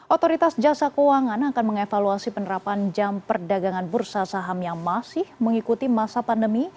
otoritas jasa keuangan akan mengevaluasi penerapan jam perdagangan bursa saham yang masih mengikuti masa pandemi